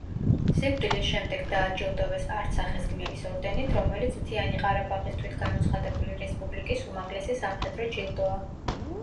სიკვდილის შემდეგ დააჯილდოვეს არცახის გმირის ორდენით, რომელიც მთიანი ყარაბაღის თვითგამოცხადებული რესპუბლიკის უმაღლესი სამხედრო ჯილდოა.